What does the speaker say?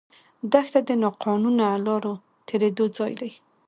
دښته د ناقانونه لارو تېرېدو ځای ده.